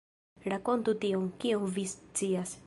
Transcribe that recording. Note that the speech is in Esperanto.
Rakontu tion, kion vi scias.